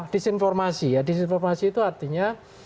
disinformasi ya disinformasi itu artinya